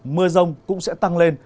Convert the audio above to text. mưa rông cũng sẽ tăng lên